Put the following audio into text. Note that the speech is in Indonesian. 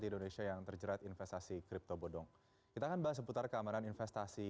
di indonesia yang terjerat investasi kripto bodong kita akan bahas seputar keamanan investasi